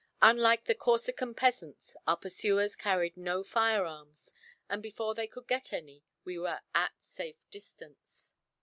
Unlike the Corsican peasants, our pursuers carried no fire arms, and before they could get any, we were at safe distance.